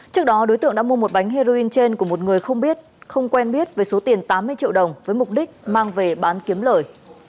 trước đó đối tượng đã mua một bánh heroin trên của một người không biết không quen biết với số tiền tám mươi triệu đồng với mục đích mang về bán kiếm lời